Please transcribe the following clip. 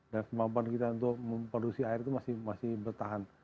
dan kemampuan kita untuk memproduksi air itu masih bertahan